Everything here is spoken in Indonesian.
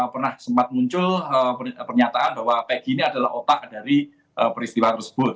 pernah sempat muncul pernyataan bahwa pegi ini adalah otak dari peristiwa tersebut